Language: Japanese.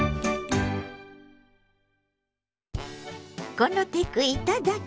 「このテクいただき！